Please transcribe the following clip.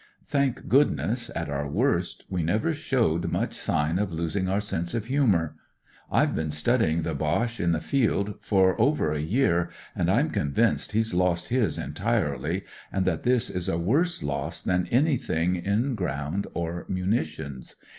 "Thank goodness, at our worst, we never showed much sign of losing our sense of himiour. IVe been studying the Boche in the field for ove.: a year, and I'm con vinced he's lost his entirely, and that this is a worse loss than anything in ground or munitions.